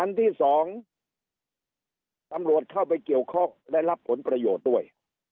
ที่สองตำรวจเข้าไปเกี่ยวข้องและรับผลประโยชน์ด้วย